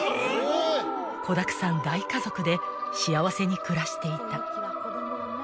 ［子だくさん大家族で幸せに暮らしていた］